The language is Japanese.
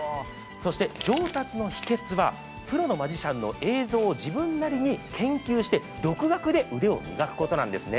そして上達の秘けつはプロのマジシャンの映像を自分なりに研究して独学で腕を磨くことなんですね。